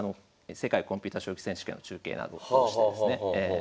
世界コンピュータ将棋選手権の中継などを通してですね。